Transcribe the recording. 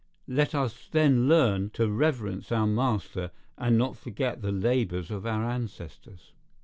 Let us then learn to reverence our master, and not forget the labours of our ancestors.